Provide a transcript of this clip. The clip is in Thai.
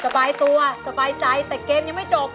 สบายตัวสบายใจแต่เกมยังไม่จบ